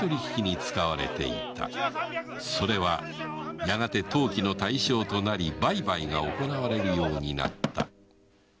それはやがて投機の対象となり売買が行われるようになった